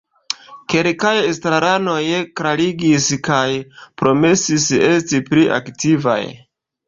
Kelkaj estraranoj klarigis kaj promesis esti pli aktivaj.